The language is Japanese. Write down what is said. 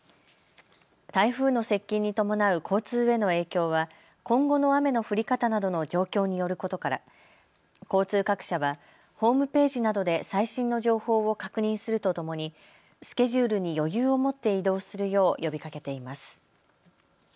台風の接近に伴う交通への影響は今後の雨の降り方などの状況によることから交通各社はホームページなどで最新の情報を確認するとともにスケジュールに余裕を持って移動するよう呼びかけています。